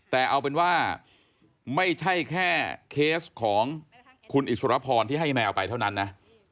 แต่เอาเป็นว่าไม่ใช่แค่เคสของคุณอิสรพรที่ให้แมวไปเท่านั้นนะ